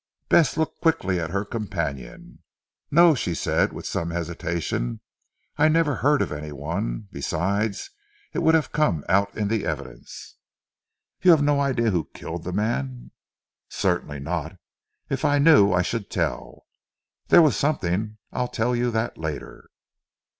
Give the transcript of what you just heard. Bess looked quickly at her companion. "No," she said with some hesitation. "I never heard of anyone. Besides it would have come out in the evidence." "You have no idea who killed the man?" "Certainly not. If I knew I should tell. There was something I'll tell you that later."